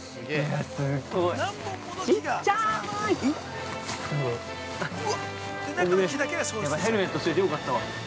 やばい、ヘルメットしといてよかったわ。